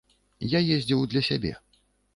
Я ездзіў для сябе.